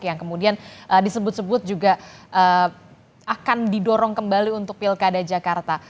yang kemudian disebut sebut juga akan didorong kembali untuk pilkada jakarta